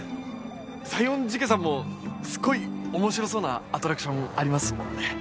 西園寺家さんもすごい面白そうなアトラクションありますもんね。